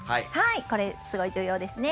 これ、すごい重要ですね。